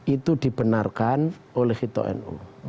itu dibenarkan oleh vito nu